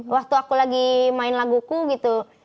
waktu aku lagi main laguku gitu